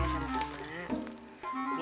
hah assalamu'alaikum bu haji